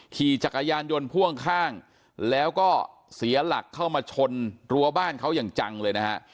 ขี่จักรยานยนต์พ่วงข้างแล้วก็เสียหลักเข้ามาชนรั้วบ้านเขาอย่างจังเลยนะฮะ